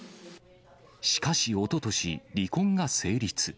しかし、おととし、離婚が成立。